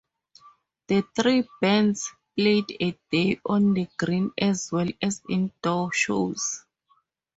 The three bands played A Day On The Green as well as indoor shows.